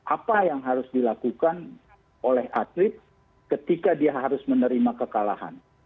apa yang harus dilakukan oleh atlet ketika dia harus menerima kekalahan